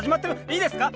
いいですか？